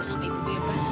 sampai ibu bebas